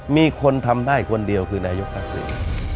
มีคนทำได้คนเดียวคือนายกศักดิ์สิน